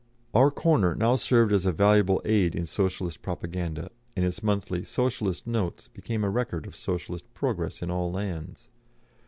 ] Our Corner now served as a valuable aid in Socialist propaganda, and its monthly "Socialist Notes" became a record of Socialist progress in all lands.